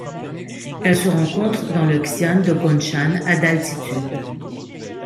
Elle se rencontre dans le xian de Gongshan à d'altitude.